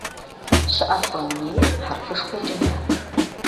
Щыӏэцӏэ унейхэр хьэрфышхуэкӏэ ятх.